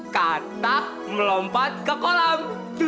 katak melompat ke kolam